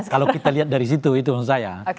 kalau kita lihat dari situ itu menurut saya